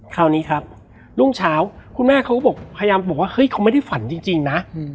คราวนี้ครับรุ่งเช้าคุณแม่เขาก็บอกพยายามบอกว่าเฮ้ยเขาไม่ได้ฝันจริงนะ